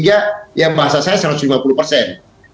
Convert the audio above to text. kalau pak asasaya kalau pak ganjar dengan pak sandi